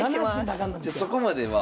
じゃそこまでは。